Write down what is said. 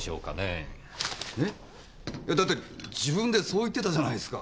えっ⁉だって自分でそう言ってたじゃないですか。